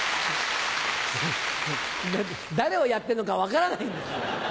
誰をやってんのか分からないんですよ。